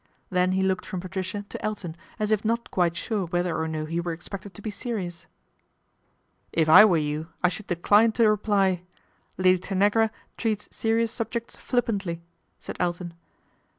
Then he looked from Patricia to Elton, as if nc quite sure whether or no he were expected to serious, "If I were you I should decline to reply Lady Tanagra treats serious subjects flippantly/ said Elton.